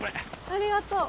ありがとう。